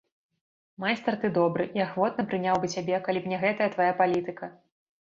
Майстар ты добры, і ахвотна прыняў бы цябе, калі б не гэтая твая палітыка.